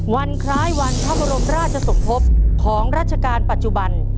วันคล้ายวันพระบรมราชสมภพของราชการปัจจุบัน